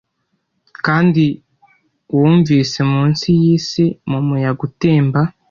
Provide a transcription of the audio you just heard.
kandi wunvise munsi yisi mumuyaga utemba